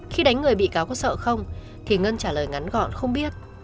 khi đánh người bị cáo có sợ không thì ngân trả lời ngắn gọn không biết